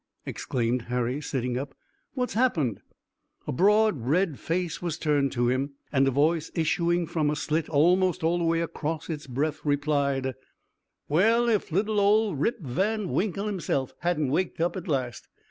exclaimed Harry, sitting up. "What's happened?" A broad red face was turned to him, and a voice issuing from a slit almost all the way across its breadth replied: "Well, if little old Rip Van Winkle hasn't waked up at last!